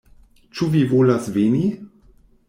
Ĉu vi volas veni?